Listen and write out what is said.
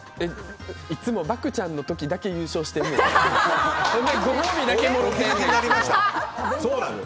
いつも漠ちゃんの時だけ優勝してるの。